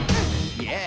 イエー！